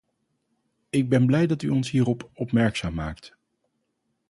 Ik ben blij dat u ons hierop opmerkzaam maakt.